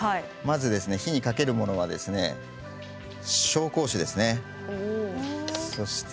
火にかけるものは紹興酒です。